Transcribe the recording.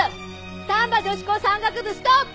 丹波女子高山岳部ストップ！